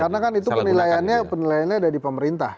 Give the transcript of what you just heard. karena kan itu penilaiannya ada di pemerintah